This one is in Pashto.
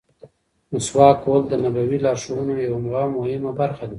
مسواک وهل د نبوي لارښوونو یوه مهمه برخه ده.